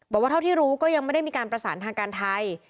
บอกว่าเท่าที่รู้ก็ยังไม่ได้มีการประสานทางการไทย